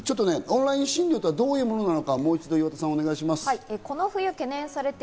オンライン診療とはどういうものか、もう一度、岩田さん、お願いします。